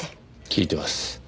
聞いてます。